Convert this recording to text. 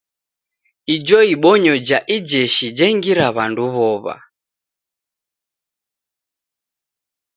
Ijo ibonyo ja ijeshi jengira w'andu w'ow'a.